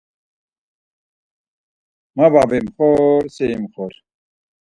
Ma var vimxor, si imxor.